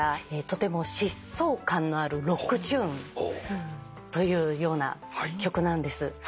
とても疾走感のあるロックチューンというような曲なんです。